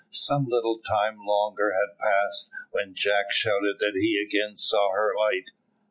Some little time longer had passed, when Jack shouted that he again saw her light.